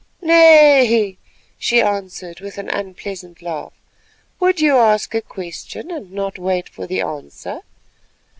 "Nay," she answered with an unpleasant laugh, "would you ask a question, and not wait for the answer?